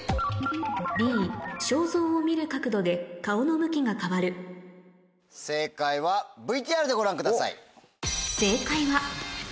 肖像を見る角度で顔の向きが変わる正解はＶＴＲでご覧ください。